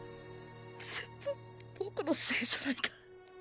全部僕のせいじゃないか。